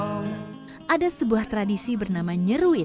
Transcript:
nyeruit adalah sebuah tradisi yang berbeda dengan nyeruit